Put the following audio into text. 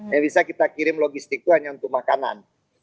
yang bisa kita kirim logistik itu hanya untuk makanan